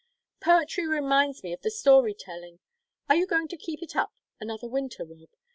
"Poetry reminds me of the story telling; are you going to keep it up another winter, Rob?